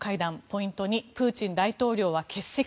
ポイント２プーチン大統領は欠席。